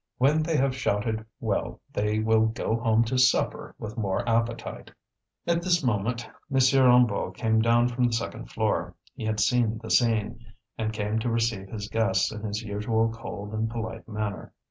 When they have shouted well they will go home to supper with more appetite." At this moment M. Hennebeau came down from the second floor. He had seen the scene, and came to receive his guests in his usual cold and polite manner.